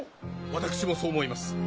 私もそう思います。